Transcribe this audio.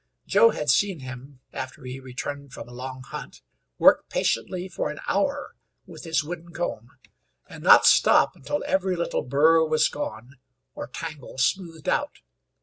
Joe had seen him, after he returned from a long hunt, work patiently for an hour with his wooden comb, and not stop until every little burr was gone, or tangle smoothed out.